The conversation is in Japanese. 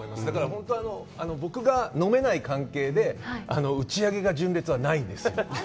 本当は僕が飲めない関係で打ち上げが純烈はないんですよ。